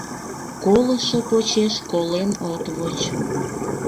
Колышо почеш колен от воч.